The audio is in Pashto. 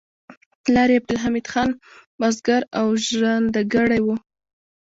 پلار یې عبدالحمید خان بزګر او ژرندګړی و